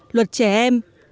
luật trẻ em